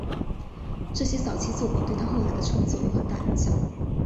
这些早期作品对他后来的创作有很大影响。